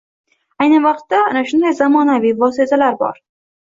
Ayni vaqtda, ana shunday zamonaviy vositalar bor.